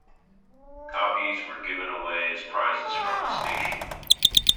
Copies were given away as prizes from the station.